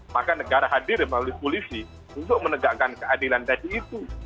maka negara hadir melalui polisi untuk menegakkan keadilan tadi itu